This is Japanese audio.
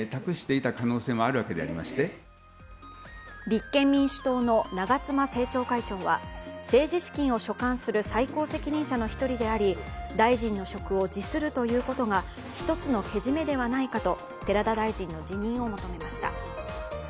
立憲民主党の長妻政調会長は政治資金を所管する最高責任者の一人であり大臣の職を辞するということが１つのけじめではないかと寺田大臣の辞任を求めました。